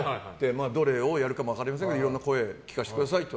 どれをやるか分かりませんがいろんな声を聞かせてくださいと。